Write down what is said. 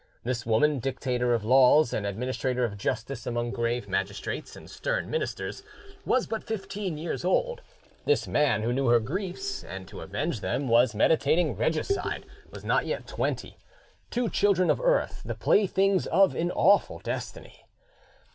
This woman, dictator of laws and administrator of justice among grave magistrates and stern ministers, was but fifteen years old; this man; who knew her griefs, and to avenge them was meditating regicide, was not yet twenty: two children of earth, the playthings of an awful destiny!